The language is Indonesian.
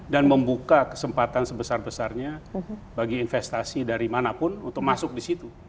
dan membuka kesempatan sebesar besarnya bagi investasi dari manapun untuk masuk di situ